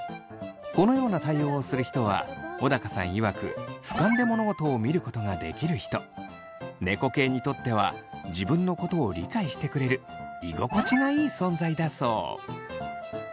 このような対応をする人は小高さんいわく猫系にとっては自分のことを理解してくれる居心地がいい存在だそう。